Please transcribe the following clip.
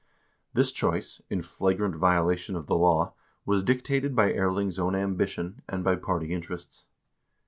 This choice, in flagrant violation of the law, was dictated by Erling's own ambition, and by party interests.